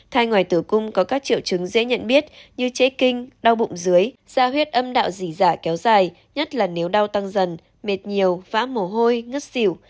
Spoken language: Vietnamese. thai ngoài tứ cung có các triệu trứng dễ nhận biết như chế kinh đau bụng dưới da huyết âm đạo dì dả kéo dài nhất là nếu đau tăng dần mệt nhiều vã mồ hôi ngất xỉu